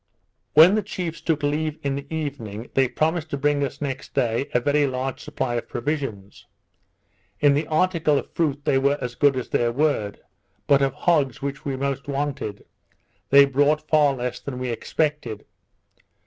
When the chiefs took leave in the evening, they promised to bring us next day a very large supply of provisions. In the article of fruit they were as good as their word, but of hogs, which we most wanted, they brought far less than we expected.